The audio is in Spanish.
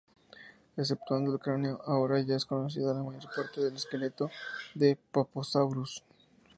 Exceptuando el cráneo, ahora ya es conocida la mayor parte del esqueleto de "Poposaurus".